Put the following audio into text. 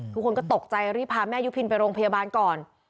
ทุกคนก็ตกใจรีบพาแม่ยุพินไปโรงพยาบาลก่อน